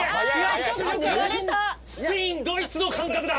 スペインドイツの感覚だ。